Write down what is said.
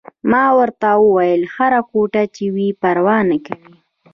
ما ورته وویل: هره کوټه چې وي، پروا نه کوي.